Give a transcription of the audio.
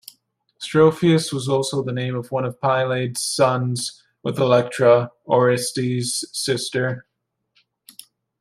Strophius was also the name of one of Pylades' sons with Electra, Orestes' sister.